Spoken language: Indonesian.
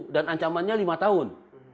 dan ancamannya lima tahun